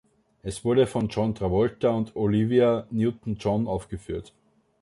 Es wurde von John Travolta und Olivia Newton-John aufgeführt.